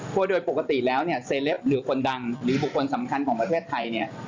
เพราะโดยปกติแล้วเนี่ยเซเลปหรือคนดังหรือบุคคลสำคัญของประเทศไทยเนี่ย